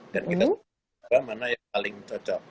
dan kita mencari yang paling cocok